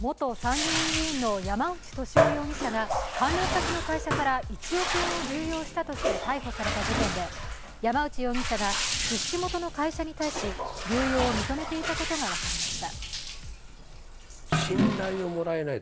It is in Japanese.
元参議院議員の山内俊夫容疑者が関連先の会社から１億円を流用したとして逮捕された事件で山内容疑者が出資元の会社に対し流用を認めていたことが分かりました。